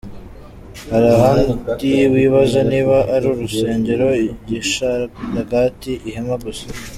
Hari ahandi wibaza niba ari urusengero, igisharagati, ihema gusa….